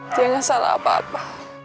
dia nggak salah apa apa